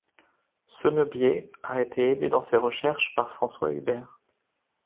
Senebier a été aidé dans ses recherches par François Huber.